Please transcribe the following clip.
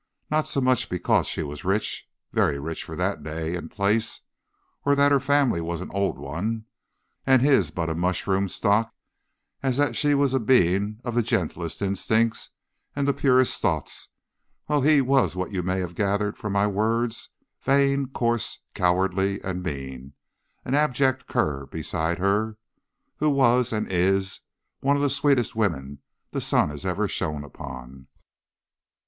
Not so much because she was rich very rich for that day and place or that her family was an old one, and his but a mushroom stock, as that she was a being of the gentlest instincts and the purest thoughts, while he was what you may have gathered from my words vain, coarse, cowardly and mean; an abject cur beside her, who was, and is, one of the sweetest women the sun ever shone upon."